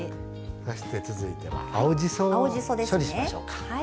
そして続いては青じそを処理しましょうか。